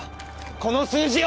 この数字を！